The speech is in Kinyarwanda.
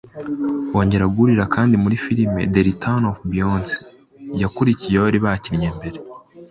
bongeye guhurira kandi muri filime "The Return of Beyonce" yakurikiye iyo bari bakinnye mbere